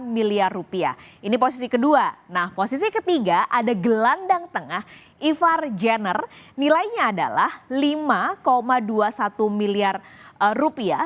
dua puluh miliar rupiah ini posisi kedua nah posisi ketiga ada gelandang tengah ivar jenner nilainya adalah lima dua puluh satu miliar rupiah